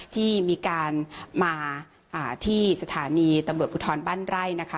ที่มีการมาที่สถานีตำรวจภูทรบ้านไร่นะคะ